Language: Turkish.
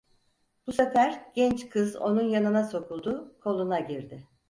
Bu sefer genç kız onun yanına sokuldu, koluna girdi: